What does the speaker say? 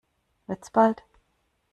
Wird's bald?